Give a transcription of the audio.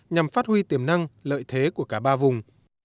nhằm phát huy tiềm năng lợi thế của cả ba vùng